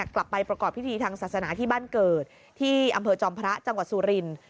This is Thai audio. กลับไปประกอบพิธีทางศาสนาที่บ้านเกิดที่อำเภอจอมพระจังหวัดสุรินทร์